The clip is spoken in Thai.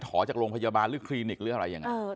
ถอจากโรงพยาบาลหรือคลินิกหรืออะไรอย่างนั้น